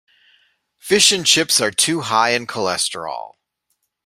Fish and chips are too high in cholesterol.